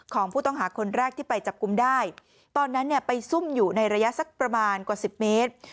ของผู้ต้องหาคนแรกที่ไปจับกลุ่มได้ตอนนั้นเนี่ยไปซุ่มอยู่ในระยะสักประมาณกว่าสิบเมตร